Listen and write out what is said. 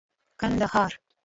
کندهار